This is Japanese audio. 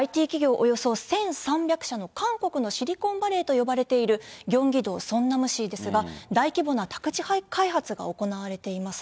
およそ１３００社の韓国のシリコンバレーと呼ばれている、キョンギ道ソンナム市ですが、大規模な宅地開発が行われています。